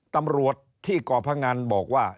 ตำรวจที่ก่อพงันบอกว่า